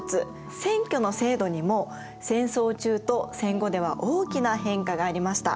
選挙の制度にも戦争中と戦後では大きな変化がありました。